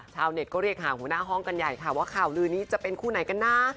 ชาวเน็ตก็เรียกหาหัวหน้าห้องกันใหญ่ค่ะว่าข่าวลือนี้จะเป็นคู่ไหนกันนะ